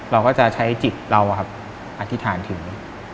เราก็จะใช้จิตเราอธิษฐานถึง